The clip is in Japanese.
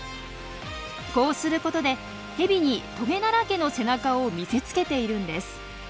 こうすることでヘビにトゲだらけの背中を見せつけているんです。